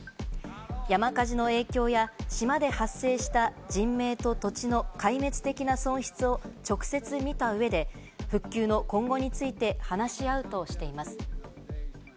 山火事の影響や島で発生した人命と土地の壊滅的な損失を直接見た上で、復旧の今後について話し合うとしています。